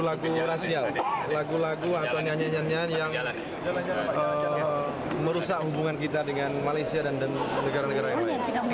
lagu rasial lagu lagu atau nyanyi nyanyian yang merusak hubungan kita dengan malaysia dan negara negara yang lain